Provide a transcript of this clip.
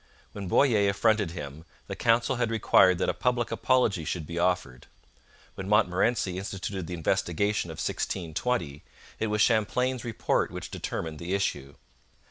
When Boyer affronted him, the council had required that a public apology should be offered. When Montmorency instituted the investigation of 1620, it was Champlain's report which determined the issue.